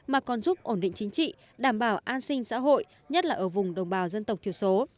mà còn giúp ổn định chính trị